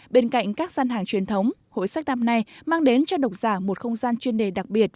bên cạnh các gian hàng truyền thống hội sách năm nay mang đến cho độc giả một không gian chuyên đề đặc biệt